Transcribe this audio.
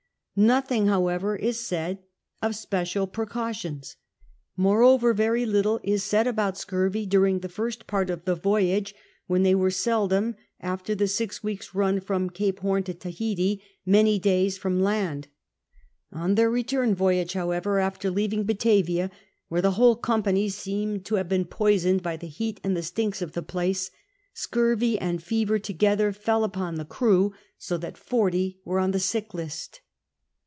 Nothing, however, is said of special precautions. Moreover, very little is said about scurvy during the first part of the voyage, when they were seldom, after the six weeks' run from Cape Horn to Tahiti, many days from land. On their return 78 CAPTAIN COOK CHAP. voyage, however, after leaving Batavia, where the whole company seemed to have been poisoned by the heatand the stinb of the place, scurvy and fever together fell upon the crew, so that forty were on the sick list.